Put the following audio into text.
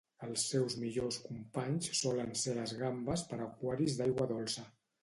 Els seus millors companys solen ser les gambes per aquaris d'aigua dolça.